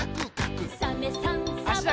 「サメさんサバさん」